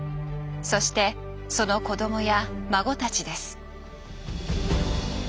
そしてその子供や孫たちです。